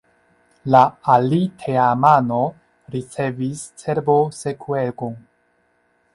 La aliteamano ricevis cerboskuegon.